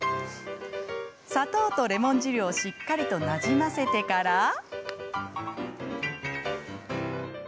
砂糖とレモン汁をしっかりとなじませてから。